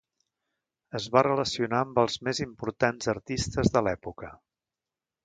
Es va relacionar amb els més importants artistes de l'època.